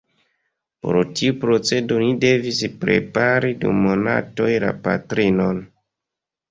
Por tiu procedo oni devis prepari dum monatoj la patrinon.